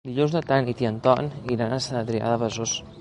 Dilluns na Tanit i en Ton iran a Sant Adrià de Besòs.